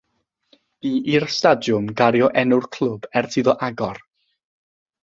Bu i'r stadiwm gario enw'r clwb ers iddo agor.